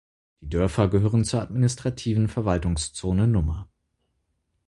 Die Dörfer gehören zur Administrativen Verwaltungszone Nr.